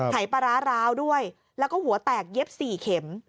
หายปลาร้าร้าวด้วยแล้วก็หัวแตกเย็บ๔เข็ม